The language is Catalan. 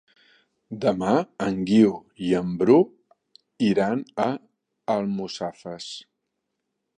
Demà en Guiu i en Bru iran a Almussafes.